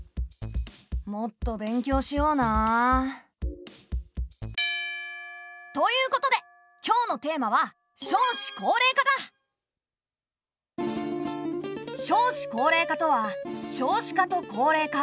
もっと勉強しような。ということで今日のテーマは少子高齢化とは少子化と高齢化。